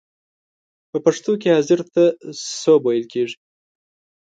په پښتو کې حاضر ته سوب ویل کیږی.